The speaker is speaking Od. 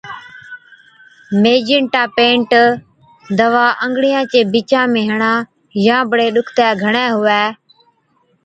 ميجنٽا پينٽ Magenta Paint دَوا انگڙِيان چي بِچا ۾ هڻا يان بڙي ڏُکتَي گھڻَي هُوَي